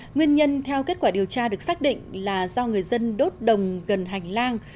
nguyên nhân theo kết quả điều tra được xác định là do người dân đốt đồng gần hành lang